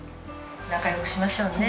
仲良くしましょうね。